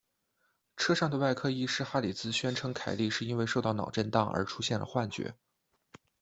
车上的外科医师哈里兹宣称凯莉是因为受到脑震荡而出现了幻觉。